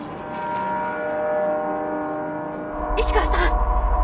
石川さん！